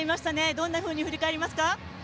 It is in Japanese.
どんなふうに振り返りますか？